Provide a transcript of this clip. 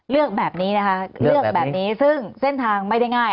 เลือกแบบนี้ซึ่งเส้นทางไม่ได้ง่าย